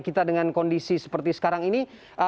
kita dengan kondisi seperti sekarang ini